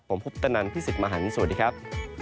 ผมคุปตนันพี่สิทธิ์มหันฯสวัสดีครับ